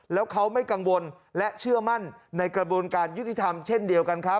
แล้วเขาไม่กังวลและเชื่อมั่นในกระบวนการยุติธรรมเช่นเดียวกันครับ